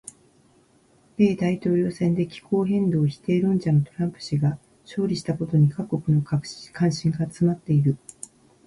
米大統領選で気候変動否定論者のトランプ氏が勝利したことに各国の関心が集まっている。